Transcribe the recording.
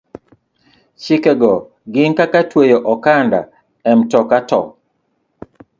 Chike go gin kaka tweyo okanda e mtoka to